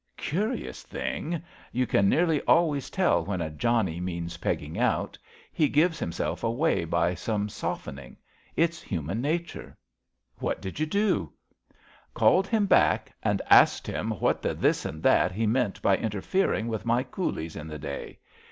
Curious thing! You can nearly always tell when a Johnnie means peggmg out. He gives 12Q ABAFT THE FUNNEL himself away by some softening. It's hnman nature. What did you do! '^^^ Called him back, and asked him what the this and that he meant by interfering with my coolies in the day.